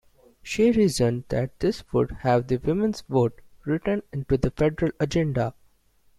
She reasoned that this would have the women's vote written into the Federal agenda.